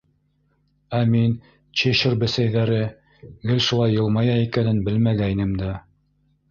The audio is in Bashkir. — Ә мин Чешир Бесәйҙәре гел шулай йылмая икәнен белмәгәйнем дә.